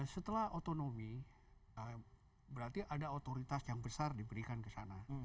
setelah otonomi berarti ada otoritas yang besar diberikan ke sana